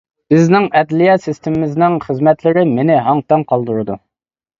بىزنىڭ ئەدلىيە سىستېمىمىزنىڭ خىزمەتلىرى مېنى ھاڭ-تاڭ قالدۇرىدۇ.